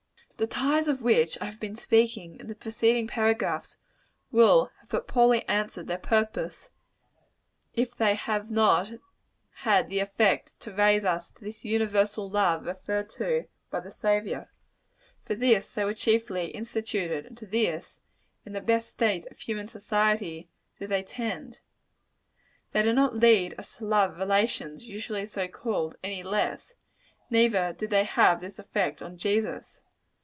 The ties of which I have been speaking, in the preceding paragraphs, will have but poorly answered their purpose, if they have not had the effect to raise us to this universal love referred to by the Saviour. For this they were chiefly instituted; and to this, in the best state of human society, do they tend. They do not lead us to love relations, usually so called, any less: neither did they have this effect on Jesus.